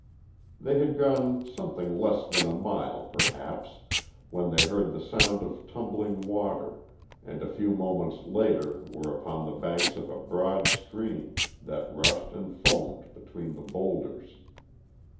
They had gone something less than a mile, perhaps, when they heard the sound of tumbling water, and a few moments later were upon the banks of a broad stream that rushed and foamed between the bowlders.